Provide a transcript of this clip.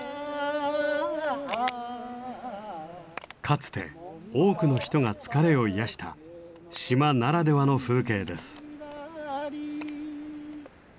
かつて多くの人が疲れを癒やした島ならではの風景です。